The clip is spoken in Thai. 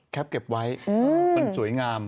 แคปเก็บไว้เป็นสวยงาม